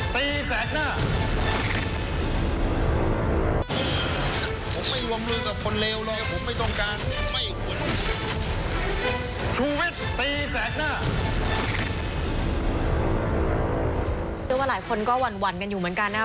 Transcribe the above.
เรียกว่าหลายคนก็หวั่นกันอยู่เหมือนกันนะครับ